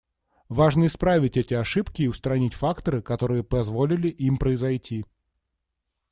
Важно исправить эти ошибки и устранить факторы, которые позволили им произойти.